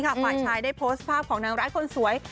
ฝ่ายชายได้โพสต์ภาพของนางร้ายคนสวย